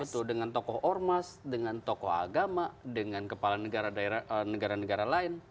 betul dengan tokoh ormas dengan tokoh agama dengan kepala negara negara lain